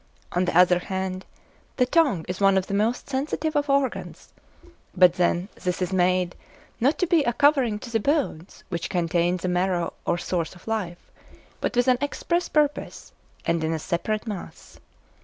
On the other hand, the tongue is one of the most sensitive of organs; but then this is made, not to be a covering to the bones which contain the marrow or source of life, but with an express purpose, and in a separate mass.